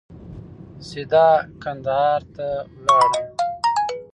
سیده کندهار ته ولاړم.